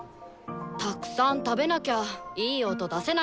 たくさん食べなきゃいい音出せないわよ。